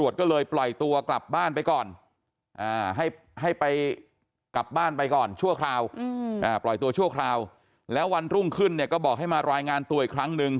แล้ววันรุ่งขึ้นเนี่ยก็บอกให้มารายงานตัวอีกครั้งหนึ่ง